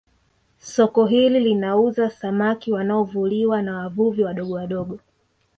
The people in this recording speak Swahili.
Soko hili linauza samaki wanaovuliwa na wavuvi wadogo wadogo